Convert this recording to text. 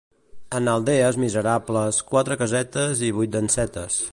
En aldees miserables, quatre casetes i vuit dansetes.